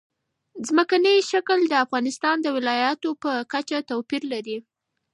ځمکنی شکل د افغانستان د ولایاتو په کچه توپیر لري.